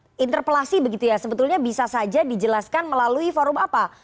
ada interpelasi begitu ya sebetulnya bisa saja dijelaskan melalui forum apa